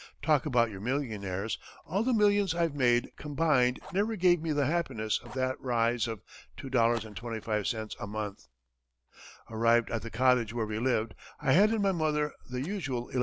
"Talk about your millionaires! All the millions I've made combined, never gave me the happiness of that rise of $2.25 a month. Arrived at the cottage where we lived, I handed my mother the usual $11.